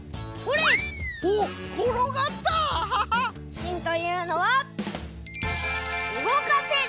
しんというのは「うごかせる」！